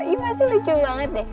iya masih lucu banget deh